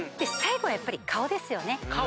最後はやっぱり顔ですよね。